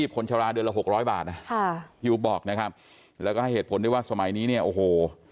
ผิวบอกนะครับแล้วก็ให้เหตุผลได้ว่าสมัยนี้เนี่ยโอ้โห